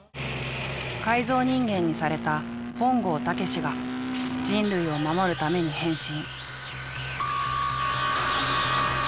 改造人間にされた本郷猛が人類を守るために変身。